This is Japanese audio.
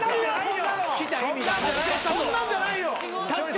そんなんじゃないよ！